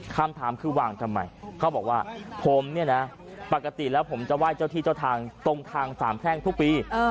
คำถามคือวางทำไมเขาบอกว่าผมเนี่ยนะปกติแล้วผมจะไหว้เจ้าที่เจ้าทางตรงทางสามแพร่งทุกปี